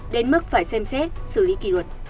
đến mức phải xem xét xử lý kỷ luật